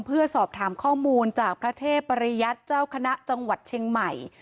เพื่อสอบถามข้อมูลจากพระเทพปริยัติเจ้าคณะจังหวัดเชียงใหม่